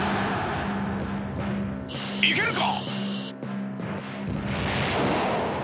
いけるか！？